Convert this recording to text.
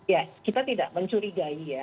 ya kita tidak mencurigai ya